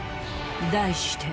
題して